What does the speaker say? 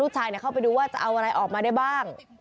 เข้าไปดูว่าจะเอาอะไรออกมาได้บ้าง